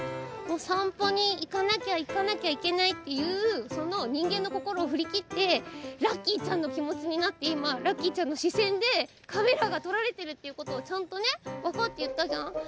お散歩に行かなきゃ行かなきゃいけないっていうそのにんげんのこころをふりきってラッキーちゃんの気持ちになっていまラッキーちゃんのしせんでカメラが撮られてるっていうことをちゃんとねわかっていったじゃん？